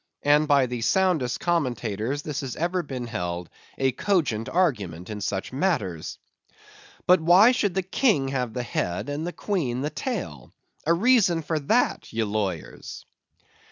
And by the soundest commentators this has ever been held a cogent argument in such matters. But why should the King have the head, and the Queen the tail? A reason for that, ye lawyers!